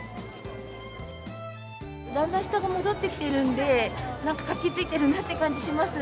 だんだん人が戻ってきてるんで、なんか活気づいてるなって感じします。